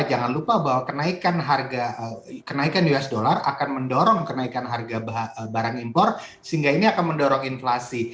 jangan lupa bahwa kenaikan harga kenaikan us dollar akan mendorong kenaikan harga barang impor sehingga ini akan mendorong inflasi